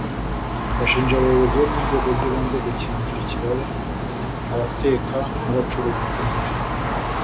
bashinja abayobozi mu nzego z’ibanze gukingira ikibaba abateka n’abacuruza kanyanga